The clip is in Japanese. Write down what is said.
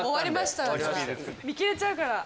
見切れちゃうから。